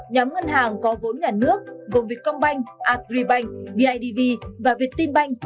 nhóm ngân hàng có vốn nhà nước gồm việt công banh agribank bidv và việt tim banh